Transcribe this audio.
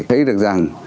thấy được rằng